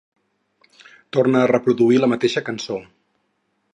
Torna a reproduir la mateixa cançó.